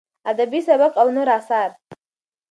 ادبي سبک او نور اثار: